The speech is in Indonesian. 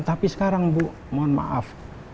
tapi sekarang bu mohon maaf